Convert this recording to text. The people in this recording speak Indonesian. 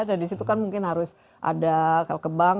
dan di situ kan mungkin harus ada kalau ke bank